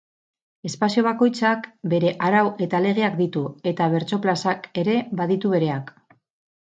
Espazio bakoitzak bere arau eta legeak ditu eta bertso-plazak ere baditu bereak.